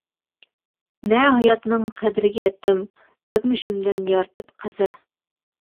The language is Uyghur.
نە ھاياتنىڭ قەدرىگە يەتتىم، ئۆتمۈشۈمدىن يارىتىپ قەسىر.